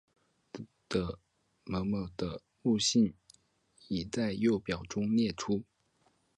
糠醛的物性已在右表中列出。